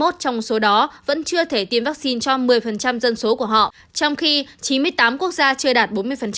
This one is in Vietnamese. hai mươi một trong số đó vẫn chưa thể tiêm vaccine cho một mươi dân số của họ trong khi chín mươi tám quốc gia chưa đạt bốn mươi